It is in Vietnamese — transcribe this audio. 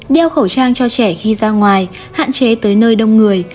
đeo khẩu trang cho trẻ khi ra ngoài hạn chế tới nơi đông người